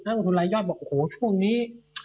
ถ้าคุณยอดบอกว่าโอ้โหช่งนี้